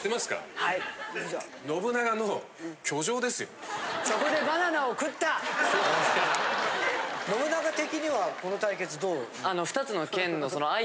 信長的にはこの対決どう。